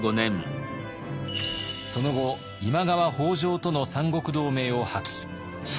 その後今川北条との三国同盟を破棄。